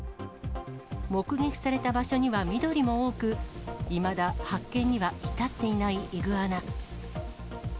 目撃された場所には緑も多く、いまだ、発見には至っていないイグアナ。